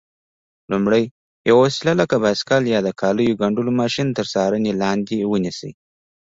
لومړی: یوه وسیله لکه بایسکل یا د کالیو ګنډلو ماشین تر څارنې لاندې ونیسئ.